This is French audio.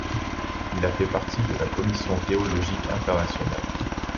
Il a fait partie de la Commission théologique internationale.